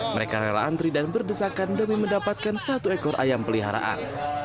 mereka rela antri dan berdesakan demi mendapatkan satu ekor ayam peliharaan